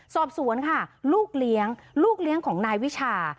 สอบสวนค่ะลูกเลี้ยงลูกเลี้ยงของนายวิชา